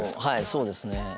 はいそうですね。